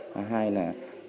thứ hai là